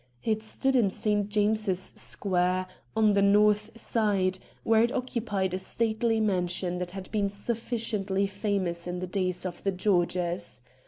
It stood in St. James's Square, on the north side, where it occupied a stately mansion that had been suf ficiently famous in the days of the Georges.